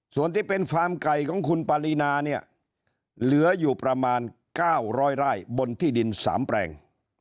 ส่วนที่เป็นฟาร์มไก่ของคุณปารีนาเนี่ยเหลืออยู่ประมาณ๙๐๐ไร่บนที่ดิน๓แปลง